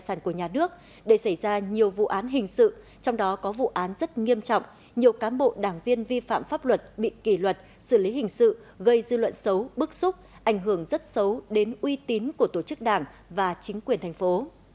và nhiều vụ án hình sự trong đó có vụ án rất nghiêm trọng nhiều cán bộ đảng viên vi phạm pháp luật bị kỷ luật xử lý hình sự gây dư luận xấu bức xúc ảnh hưởng rất xấu đến uy tín của tổ chức đảng và chính quyền thành phố